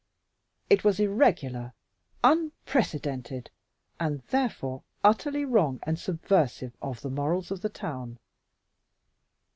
It was irregular, unprecedented, and therefore utterly wrong and subversive of the morals of the town.